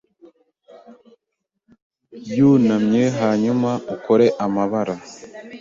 yunamye hanyuma ukore amabara.